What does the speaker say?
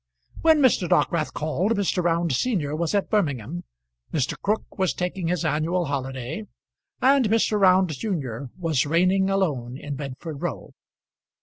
When Mr. Dockwrath called Mr. Round senior was at Birmingham, Mr. Crook was taking his annual holiday, and Mr. Round junior was reigning alone in Bedford Row.